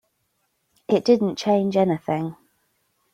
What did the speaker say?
It didn't change anything.